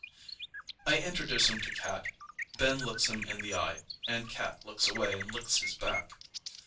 I introduce him to Cat. Ben looks him in the eye, and Cat looks away and licks his back.